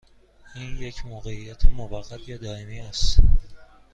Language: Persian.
این یک موقعیت موقت یا دائمی است؟